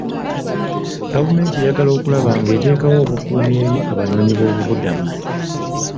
Gavumenti eyagala okulaba nga eteekawo obukuumi eri abanoonyiboobubudamu.